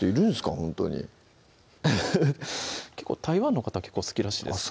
ほんとにフフッ台湾の方結構好きらしいですあっ